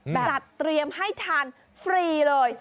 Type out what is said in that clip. จัดเตรียมให้ทานฟรีเลย